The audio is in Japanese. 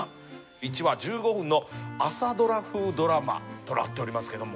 １話１５分の朝ドラ風ドラマとなっておりますけども。